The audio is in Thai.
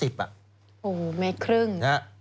โหเมตรครึ่ง